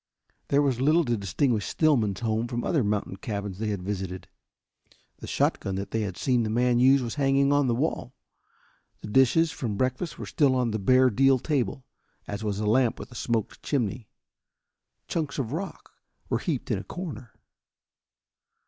There was little to distinguish Stillman's home from other mountain cabins they had visited. The shotgun that they had seen the man use was hanging on the wall. The dishes from breakfast were still on the bare deal table, as was a lamp with a smoked chimney. Chunks of rock were heaped in a corner.